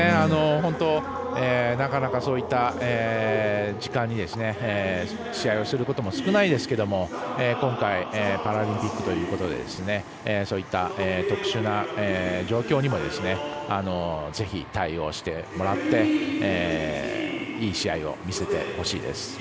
なかなかそういった時間に試合をすることも少ないですけども今回パラリンピックということでそういった特殊な状況にもぜひ対応してもらっていい試合を見せてほしいです。